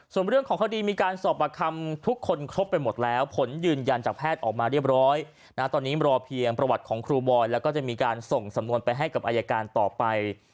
ส่วนเรื่องของคดีมีการสอบประคำทุกคนครบไปหมดแล้วผลยืนยันจากแพทย์ออกมาเรียบร้อยนะตอนนี้รอเพียงประวัติของครูบอยแล้วก็จะมีการส่งสำนวนไปให้กับอายการต่อไป